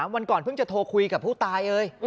วันก่อนเพิ่งจะโทรคุยกับผู้ตายเอ่ย